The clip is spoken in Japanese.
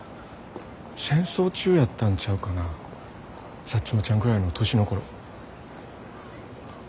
戦争中やったんちゃうかなサッチモちゃんぐらいの年の頃。